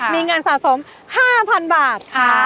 มีเงินสะสม๕๐๐๐บาทค่ะ